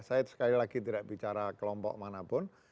saya sekali lagi tidak bicara kelompok manapun